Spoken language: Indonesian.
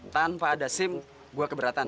tanpa ada sim gue keberatan